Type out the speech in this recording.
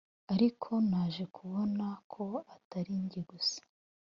ariko naje kubona ko atari jye gusa